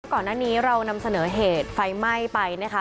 ก่อนหน้านี้เรานำเสนอเหตุไฟไหม้ไปนะคะ